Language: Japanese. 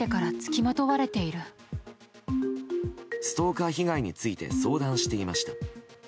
ストーカー被害について相談していました。